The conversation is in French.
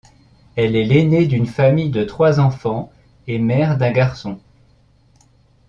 Elle est l'aînée d'une famille de trois enfants et mère d'un garçon.